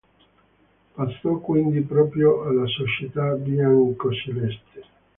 Passò quindi proprio alla società biancoceleste.